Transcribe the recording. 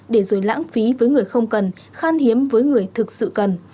để rồi lãng phí với người không cần khan hiếm với người thực sự cần